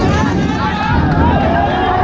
สวัสดีครับทุกคน